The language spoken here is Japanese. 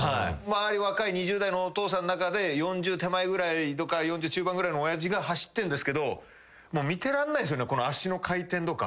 周り若い２０代のお父さんの中で４０手前ぐらいとか４０中盤ぐらいの親父が走ってるんですけど。